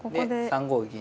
３五銀。